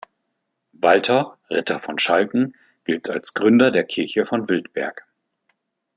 Walter, Ritter von Schalken, gilt als Gründer der Kirche von Wildberg.